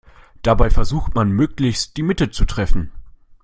Dabei versucht man, möglichst die Mitte zu treffen.